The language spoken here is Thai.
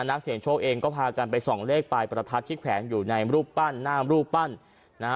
นักเสียงโชคเองก็พากันไปส่องเลขไปประทัดชิ้นแผนอยู่ในรูปปั้นนามรูปปั้น